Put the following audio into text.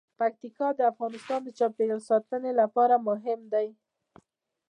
پکتیکا د افغانستان د چاپیریال ساتنې لپاره مهم دي.